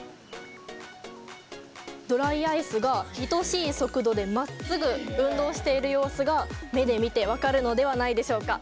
ドライアイスが等しい速度でまっすぐ運動している様子が目で見て分かるのではないでしょうか。